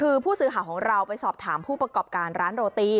คือผู้สื่อข่าวของเราไปสอบถามผู้ประกอบการร้านโรตี